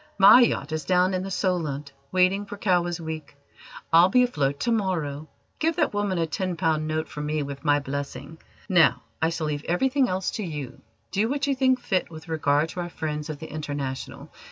My yacht is down in the Solent waiting for Cowes Week. I'll be afloat to morrow. Give that woman a ten pound note from me with my blessing. Now, I shall leave everything else to you. Do what you think fit with regard to our friends of the International.